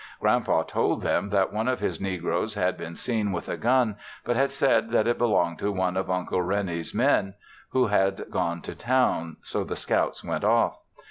Grand Pa told them that one of his negroes had been seen with a gun but had said that it belonged to one of Uncle Rene's men who had gone to town, so the scouts went off.